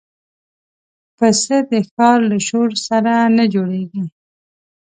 پسه د ښار له شور سره نه جوړيږي.